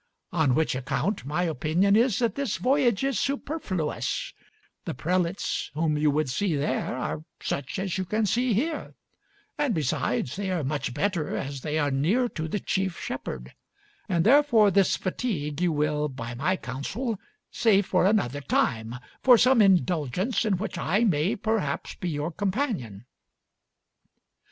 On which account my opinion is that this voyage is superfluous: the prelates whom you would see there are such as you can see here, and besides they are much better, as they are near to the chief Shepherd; and therefore this fatigue you will, by my counsel, save for another time, for some indulgence in which I may perhaps be your companion."